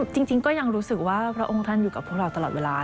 จริงก็ยังรู้สึกว่าพระองค์ท่านอยู่กับพวกเราตลอดเวลา